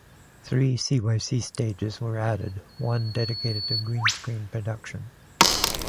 Three cyc stages were added, one dedicated to green screen production.